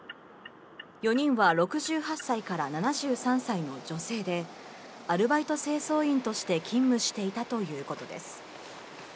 ４人は６８歳から７３歳の女性で、アルバイト清掃員として勤務していたということです。